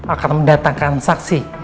akan mendatangkan saksi